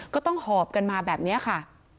ก็ต้องหอบกันมาแบบนี้ค่ะ